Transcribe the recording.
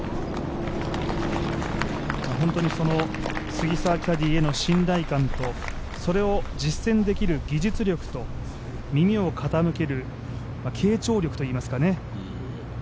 杉澤キャディーへの信頼感とそれを実践できる技術力と耳を傾ける傾聴力といいますかね。